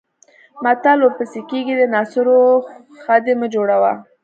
متل ورپسې کېږي د ناصرو خدۍ مه جوړوه.